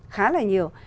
khá là nhiều